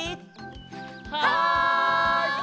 はい！